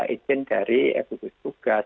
izin dari fbu tugas